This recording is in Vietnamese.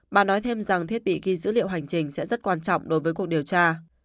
bà nói thêm rằng thiết bị ghi dữ liệu hành trình sẽ rất quan trọng đối với cuộc điều tra